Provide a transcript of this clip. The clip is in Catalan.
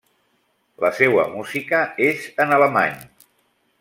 La seua música és en alemany.